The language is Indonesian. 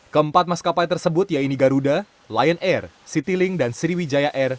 keempat maskapai tersebut yaitu garuda lion air citylink dan sriwijaya air